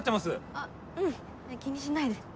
あうん気にしないで。